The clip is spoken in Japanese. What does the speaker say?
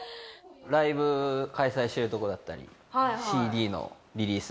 ライブ開催してるとこだったりＣＤのリリースだったりとか。